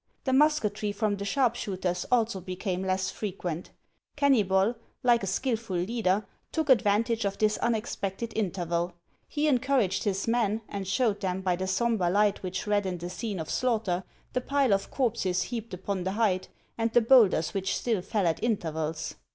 The musketry from the sharpshooters also became less frequent. Kenny bol, like a skilful leader, took advantage of this un expected interval ; he encouraged his men, and showed them, by the sombre light which reddened the scene of HANS 01' ICELAND. slaughter, the pile of corpses heaped upon the height, and the bowlders which still fell at intervals.